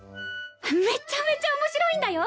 めちゃめちゃ面白いんだよ！